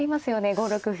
５六歩。